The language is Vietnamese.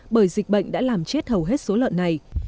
bởi dịch bệnh đã làm chết hầu hết số lợn này